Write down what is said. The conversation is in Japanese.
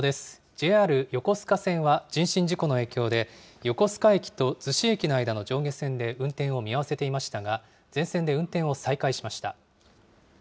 ＪＲ横須賀線は、人身事故の影響で横須賀駅と逗子駅の間の上下線で運転を見合わせていましたが、全線で運転を再開しました。